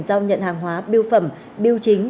giao nhận hàng hóa biêu phẩm biêu chính